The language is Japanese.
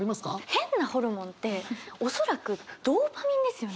「変なホルモン」って恐らくドーパミンですよね？